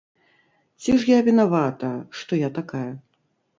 Ці ж я вінавата, што я такая?